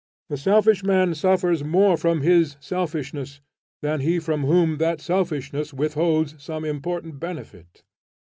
The selfish man suffers more from his selfishness than he from whom that selfishness withholds some important benefit.